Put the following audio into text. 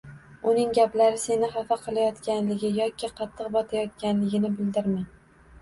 - Uning gaplari seni xafa qilayotganligi yoki qattiq botayotganligini bildirma.